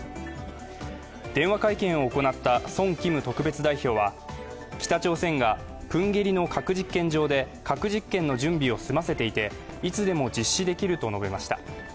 電話会見を行ったソン・キム特別代表は北朝鮮がプンゲリの核実験場で核実験の準備を済ませていて、いつでも実施できると述べました。